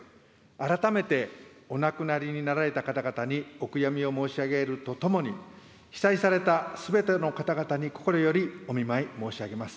改めてお亡くなりになられた方々にお悔やみを申し上げるとともに、被災されたすべての方々に心よりお見舞い申し上げます。